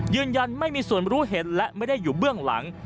ยืนยันไม่มีส่วนรู้เห็นและไม่ได้อยู่เบื้องหลัง